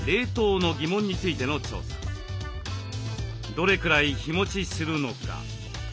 「どれくらい日もちするのか」